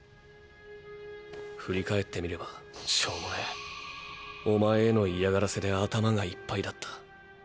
振り返ってみればしょうもねぇおまえへの嫌がらせで頭がいっぱいだった。